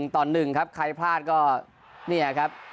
ต่อ๑ครับใครพลาดก็เนี่ยครับ